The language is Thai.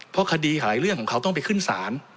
เพราะคดีหลายเรื่องของเขาต้องไปขึ้นศาล